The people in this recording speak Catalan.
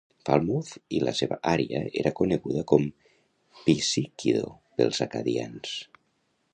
Falmouth i la seva àrea era coneguda com Pisíquido pels acadians.